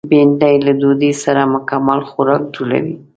بېنډۍ له ډوډۍ سره مکمل خوراک جوړوي